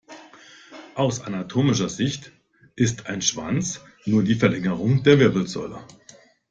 Aus anatomischer Sicht ist ein Schwanz nur die Verlängerung der Wirbelsäule.